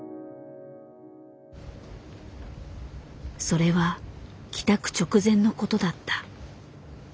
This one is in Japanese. それは帰宅直前のことだった。